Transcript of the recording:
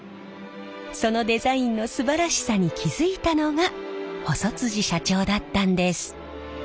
そのデザインのすばらしさに気付いたのが細社長だったんです。